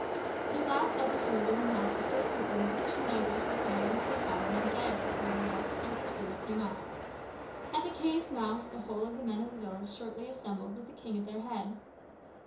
This last episode was enacted so quickly that the two negroes were carried into the cavern and gagged before the other pursuers came up. At the cave's mouth the whole of the men of the village shortly assembled with the king at their head.